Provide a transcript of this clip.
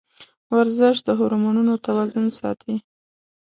ورزش د هورمونونو توازن ساتي.